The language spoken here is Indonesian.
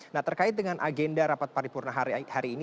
nah terkait dengan agenda rapat paripurna hari ini